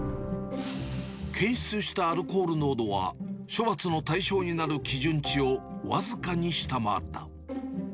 検出したアルコール濃度は、処罰の対象になる基準値を僅かに下回った。